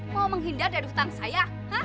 mau menghindar dari hutan saya